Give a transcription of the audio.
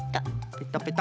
ペタペタ。